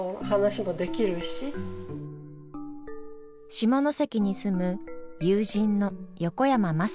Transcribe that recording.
下関に住む友人の横山眞佐子さん。